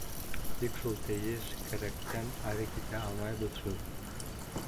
Тик шул «тейеш», «кәрәк»тән ары китә алмайбыҙ шул.